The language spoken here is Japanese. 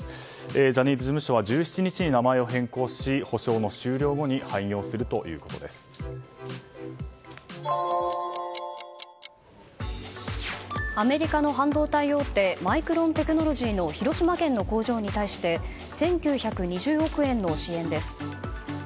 ジャニーズ事務所は１７日に名前を変更し補償の終了後にアメリカの半導体大手マイクロン・テクノロジーの広島県の工場に対して１９２０億円の支援です。